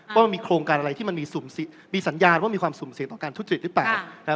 ว่ามันมีโครงการอะไรที่มันมีสัญญาณว่ามีความสุ่มเสี่ยงต่อการทุจริตหรือเปล่า